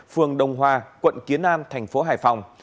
phường đồng hòa quận kiến an thành phố hải phòng